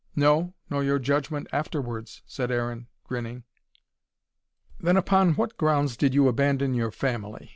"No. Nor your judgment afterwards," said Aaron, grinning. "Then upon what grounds did you abandon your family?